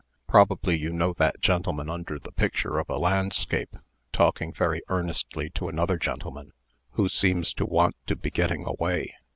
"Probably you know that gentleman under the picture of a landscape, talking very earnestly to another gentleman, who seems to want to be getting away."